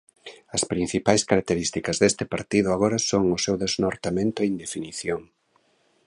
As principais características deste partido agora son o seu desnortamento e indefinición.